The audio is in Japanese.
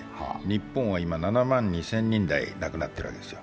日本は今、７万２０００人台、亡くなってるわけなんです。